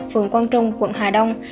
phường quang trung quận hà đông